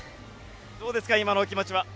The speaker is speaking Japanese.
どうですか今のお気持ちは。